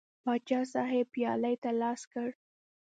پاچا صاحب پیالې ته لاس کړ.